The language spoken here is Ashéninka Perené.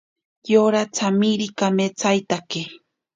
Yora tsamiri kametsaitake.